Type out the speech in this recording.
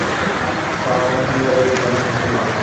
শাওহেইয়ের যেন কিছু না হয়।